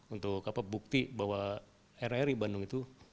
untuk bukti bahwa rri bandung itu